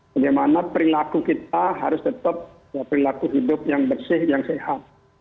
bagaimana perilaku kita harus tetap perilaku hidup yang bersih yang sehat